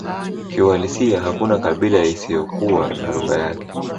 Kiuhalisia hakuna kabila isiyokuwa na lugha yake